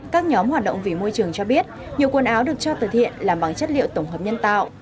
các nhóm hoạt động vì môi trường cho biết nhiều quần áo được cho từ thiện làm bằng chất liệu tổng hợp nhân tạo